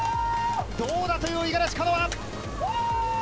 どうだという五十嵐カノア。